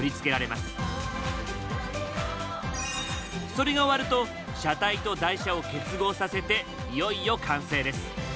それが終わると車体と台車を結合させていよいよ完成です。